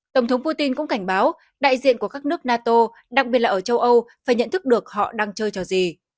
tổng thống putin cũng cảnh báo đại diện của các nước nato đặc biệt là ở châu âu phải nhận thức được họ đang chơi trò gì